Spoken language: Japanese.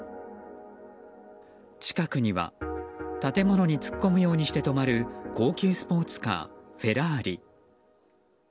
近くには建物に突っ込むようにして止まる高級スポーツカー、フェラーリ。